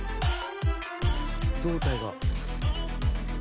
胴体が。